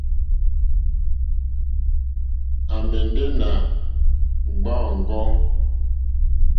À mɛ̀ndɛ̀ nà gbàáŋgò.